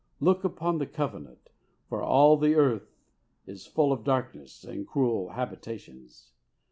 Look upon the Covenant, for all the earth is full of darkness and cruel habitations.